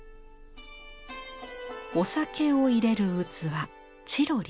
お酒を入れる器「ちろり」。